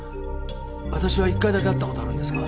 私は１回だけ会った事があるんですが。